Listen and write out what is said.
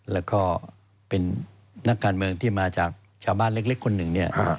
แล้วก็เป็นนักการเมืองที่มาจากชาวบ้านเล็กคนหนึ่งเนี่ย